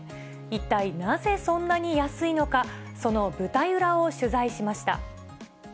一体なぜ、そんなに安いのか、その舞台裏を取材しました。